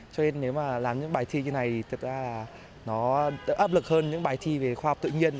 cho nên nếu mà làm những bài thi như này thì thật ra là nó áp lực hơn những bài thi về khoa học tự nhiên